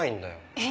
えっ？